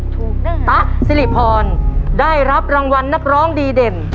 ตะสิริพรได้รับรางวัลนักร้องดีเด่น